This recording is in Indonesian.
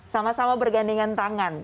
sama sama bergandingan tangan